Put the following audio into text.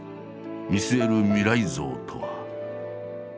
見据える未来像とは。